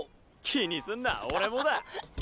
気にすんな俺もだ。